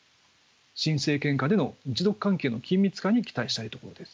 新政権下での日独関係の緊密化に期待したいところです。